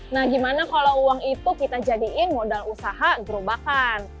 nah gimana kalau uang itu kita jadiin modal usaha gerobakan